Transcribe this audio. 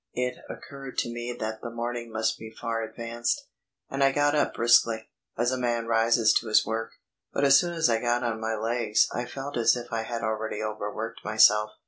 It occurred to me that the morning must be far advanced, and I got up briskly, as a man rises to his work. But as soon as I got on my legs I felt as if I had already over worked myself.